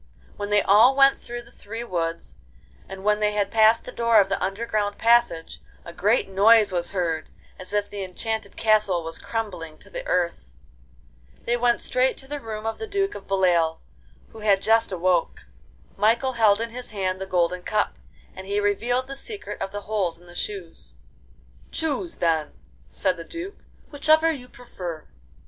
Then they all went through the three woods, and when they had passed the door of the underground passage a great noise was heard, as if the enchanted castle was crumbling to the earth. They went straight to the room of the Duke of Beloeil, who had just awoke. Michael held in his hand the golden cup, and he revealed the secret of the holes in the shoes. 'Choose, then,' said the Duke, 'whichever you prefer.